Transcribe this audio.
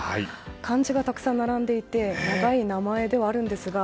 漢字がたくさん並んでいて長い名前ではあるんですが。